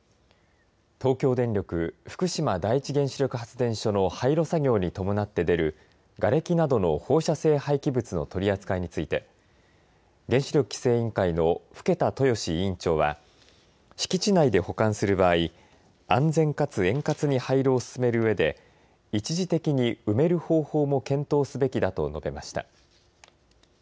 東京電力福島第一原子力発電所の廃炉作業に伴って出るがれきなどの放射性廃棄物の取り扱いについて原子力規制委員会の更田豊志委員長は敷地内で保管する場合安全かつ円滑に廃炉を進めるうえで一時的に埋める方法も検討すべきだと述べました。